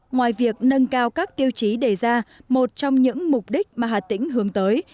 ngoài việc nâng cao các tiêu chí đề ra một trong những mục đích mà hà tĩnh hướng tới